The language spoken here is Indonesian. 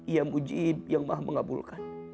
ya mujib yang maha mengabulkan